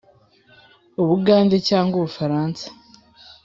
ubugande cyangwa ubufaransa?